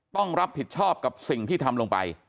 ต้องรับผิดชอบกับสิ่งที่ทำลงไป